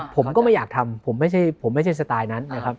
ผมก็ไม่อยากทำผมไม่ใช่สไตล์นั้นนะครับ